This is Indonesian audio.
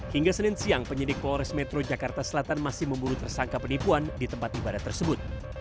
hingga senin siang penyidik polres metro jakarta selatan masih memburu tersangka penipuan di tempat ibadah tersebut